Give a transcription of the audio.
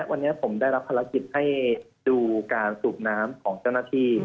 วันนี้ผมได้รับภารกิจให้ดูการสูบน้ำของเจ้าหน้าที่